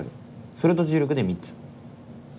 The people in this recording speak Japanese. それと重力で３つ。